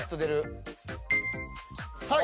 はい！